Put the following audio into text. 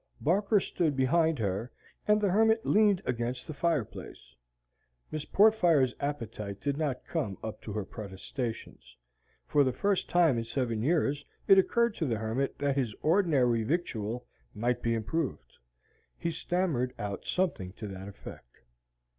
Barker stood behind her, and the hermit leaned against the fireplace. Miss Portfire's appetite did not come up to her protestations. For the first time in seven years it occurred to the hermit that his ordinary victual might be improved. He stammered out something to that effect.